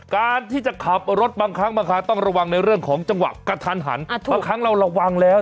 การที่จะขับรถบางครั้งบางครั้งต้องระวังในเรื่องของจังหวะกระทันหันบางครั้งเราระวังแล้ว